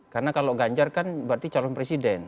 karena kalau ganjar kan berarti calon presiden